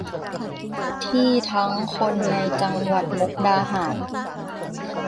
ที่ทั้งคนในจังหวัดมุกดาหาร